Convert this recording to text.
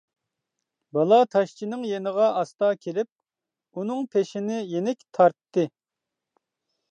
بالا تاشچىنىڭ يېنىغا ئاستا كېلىپ، ئۇنىڭ پېشىنى يېنىك تارتتى.